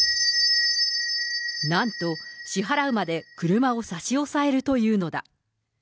なんと、支払うまで車を差し押さえるというのだ。